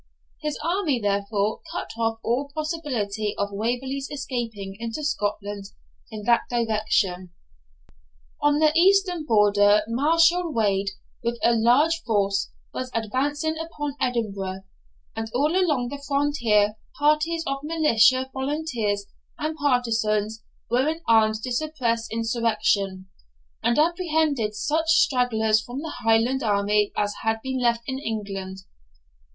His army, therefore, cut off all possibility of Waverley's escaping into Scotland in that direction. On the eastern border Marshal Wade, with a large force, was advancing upon Edinburgh; and all along the frontier, parties of militia, volunteers, and partizans were in arms to suppress insurrection, and apprehend such stragglers from the Highland army as had been left in England.